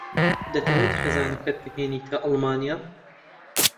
دەتەوێت خێزانەکەت بهێنیتە ئەڵمانیا؟